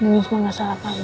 nenek semua gak salah kamu